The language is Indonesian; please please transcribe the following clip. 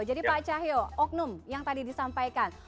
jadi pak cahyo oknum yang tadi disampaikan